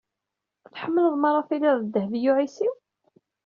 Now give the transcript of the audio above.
Tḥemmleḍ mi ara tiliḍ d Dehbiya u Ɛisiw?